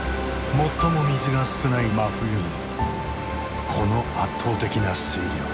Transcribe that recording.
最も水が少ない真冬にこの圧倒的な水量。